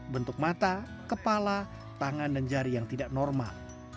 bentuk mata kepala tangan dan jari yang tidak normal